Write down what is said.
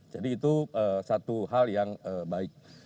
jadi itu satu hal yang baik